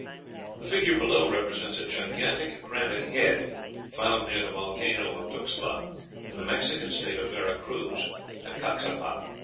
The figure below represents a gigantic granite head, found near the volcano of Tuxtla, in the Mexican State of Vera Cruz, at Caxapa.